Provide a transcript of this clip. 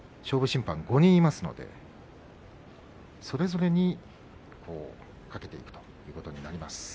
勝負審判、５人いますのでそれぞれにかけていくということになります。